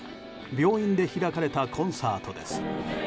病院で開かれたコンサートです。